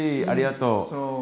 ありがとう！